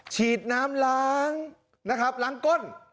ฉีดน้ำล้างนะครับล้างก้น